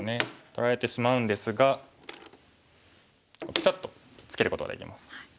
取られてしまうんですがピタッとツケることができます。